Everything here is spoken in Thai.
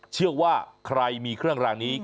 เชื่อว่าใครมีเครื่องรางนี้